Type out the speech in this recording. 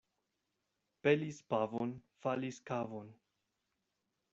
Pelis pavon, falis kavon.